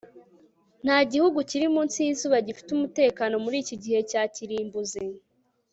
nta gihugu kiri munsi yizuba gifite umutekano muri iki gihe cya kirimbuzi